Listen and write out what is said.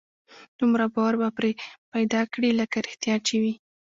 دومره باور به پرې پيدا کړي لکه رښتيا چې وي.